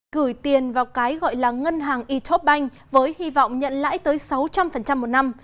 gửi tiền vào cái gọi là ngân hàng itobank với hy vọng nhận lãi tới sáu trăm linh một năm